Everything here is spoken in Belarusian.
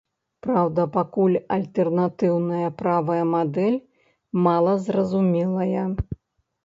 Праўда, пакуль альтэрнатыўная правая мадэль малазразумелая.